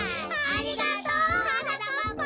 ありがとうはなかっぱ！